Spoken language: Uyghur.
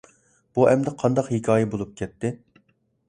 بۇ ئەمدى قانداق ھېكايە بولۇپ كەتتى؟